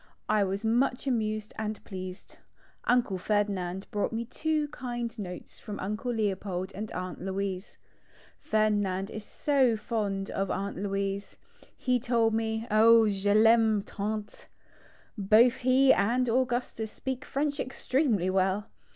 I was much amused and pleased. Uncle Ferdinand brought me two kind notes from Uncle Leopold and Aunt Louise. Ferdinand is so fond of Aunt Louise. He told me :*' Oh, je Taime tant !" Both he and Augustus speak French extremely well.